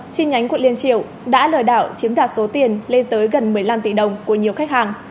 chi nhánh quận liên triều đã lừa đảo chiếm đoạt số tiền lên tới gần một mươi năm tỷ đồng của nhiều khách hàng